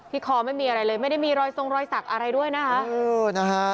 คอไม่มีอะไรเลยไม่ได้มีรอยทรงรอยสักอะไรด้วยนะคะ